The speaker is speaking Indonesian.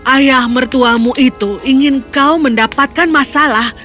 ayah mertuamu itu ingin kau mendapatkan masalah